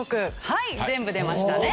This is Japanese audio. はい全部出ましたね。